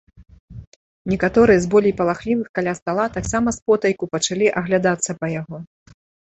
Некаторыя з болей палахлівых каля стала таксама спотайку пачалі аглядацца па яго.